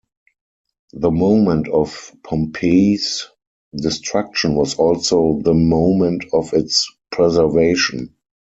The moment of Pompeii's destruction was also the moment of its preservation.